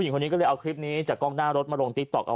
ก็เลยเอาคลิปนี้จากกล้องหน้ารถไลน์เด็กตอบ